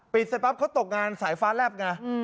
เสร็จปั๊บเขาตกงานสายฟ้าแลบไง